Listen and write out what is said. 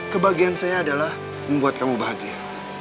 kebahagiaan saya adalah membuat kamu bahagia